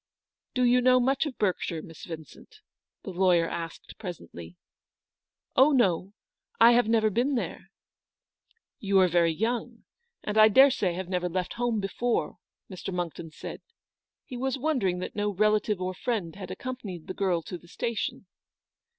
" Do you know much of Berkshire, Miss Vin cent ?" the lawyer asked, presently. " Oh, no, I have never been there." " You are very young, and I daresay have never left home before ?" Mr. Monckton said. He was wondering that no relative or friend had accom panied the girl to the station.